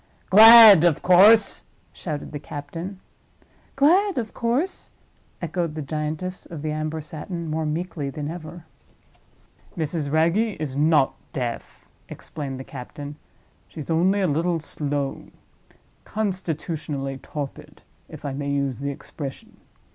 "Glad, of course!" shouted the captain. "Glad, of course," echoed the giantess of the amber satin, more meekly than ever. "Mrs. Wragge is not deaf," explained the captain. "She's only a little slow. Constitutionally torpid—if I may use the expression.